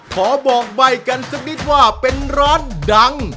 ขอบอกใบกันสักนิดว่าเป็นร้านดัง